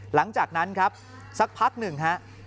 หลังจากนั้นครับสักพักหนึ่งฮะ